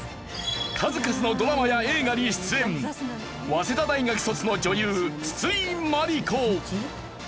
数々のドラマや映画に出演早稲田大学卒の女優筒井真理子。